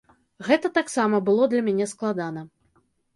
Гэта таксама было для мяне складана.